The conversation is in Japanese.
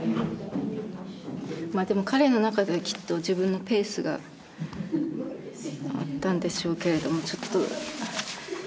まあでも彼の中ではきっと自分のペースがあったんでしょうけれどもちょっと。